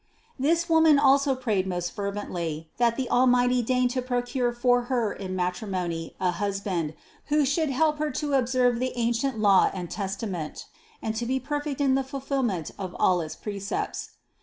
168. This woman also prayed most fervently, that the Almighty deign to procure for her in matrimony a husband, who should help her to observe the ancient law and testament, and to be perfect in the fulfillment of all its precepts.